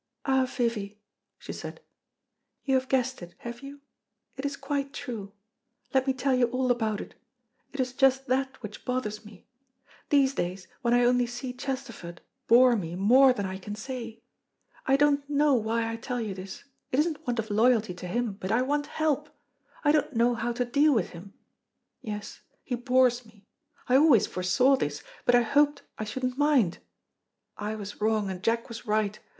"Ah, Vivy," she said, "you have guessed it, have you? It is quite true. Let me tell you all about it. It is just that which bothers me. These days when I only see Chesterford bore me more than I can say. I don't know why I tell you this; it isn't want of loyalty to him, but I want help. I don't know how to deal with him.. Yes, he bores me. I always foresaw this, but I hoped I shouldn't mind. I was wrong and Jack was right.